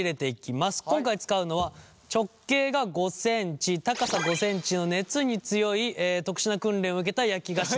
今回使うのは直径が５ｃｍ高さ５ｃｍの熱に強い特殊な訓練を受けた焼き菓子の。